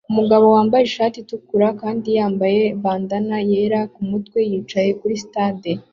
Umugabo wambaye ishati itukura kandi yambaye bandanna yera kumutwe yicaye kuri stage